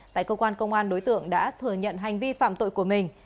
tại cơ quan công an đối tượng đã thừa nhận hành vi phạm tội của mình